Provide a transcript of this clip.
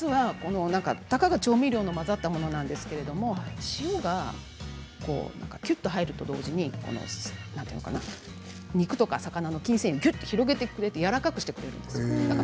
たかが調味料の混ざったものなんですが塩が、きゅっと入ると同時に肉とか魚の繊維を広げてくれてやわらかくしてくるんですよ。